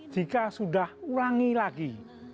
jika sudah ulangi lagi